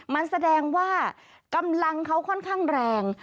มันแสดงว่ากำลังเขาค่อนข้างแรง